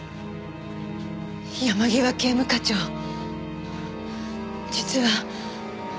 山際警務課長実は。